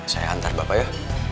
saya hantar bapak ya